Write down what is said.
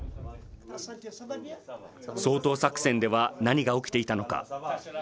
掃討作戦では何が起きていたのか。